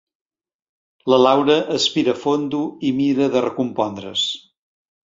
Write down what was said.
La Laura aspira fondo i mira de recompondre's.